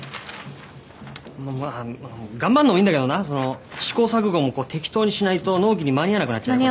まあ頑張んのもいいんだけどなその試行錯誤もこう適当にしないと納期に間に合わなくなっちゃう。